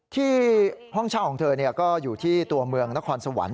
ที่ห้องเช่าของเธอก็อยู่ที่ตัวเมืองนครสวรรค์